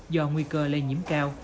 do nguy cơ lây nhiễm cao